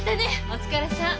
お疲れさん。